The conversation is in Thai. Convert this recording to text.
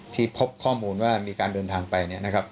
ที่พบข้อมูลว่านี่มีการเดินทางไป